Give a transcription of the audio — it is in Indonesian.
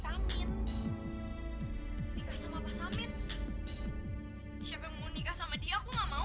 nikah sama pasangin siapa mau nikah sama dia aku nggak mau